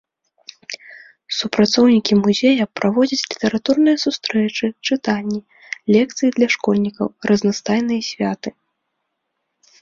Супрацоўнікі музея праводзяць літаратурныя сустрэчы, чытанні, лекцыі для школьнікаў, разнастайныя святы.